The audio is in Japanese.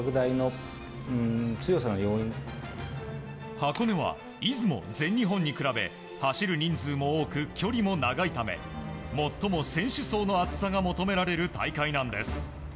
箱根は出雲、全日本に比べ走る人数も多く、距離も長いため最も選手層の厚さが求められる大会なんです。